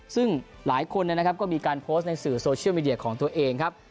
ซึ่งหลายคนนะครับก็มีการโพสต์ในสื่อโซเชียลมีเดียของตัวเองครับ